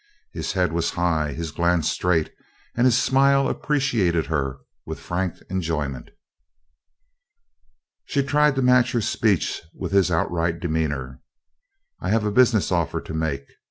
His head was high, his glance straight, and his smile appreciated her with frank enjoyment. She tried to match her speech with his outright demeanor: "I have a business offer to make.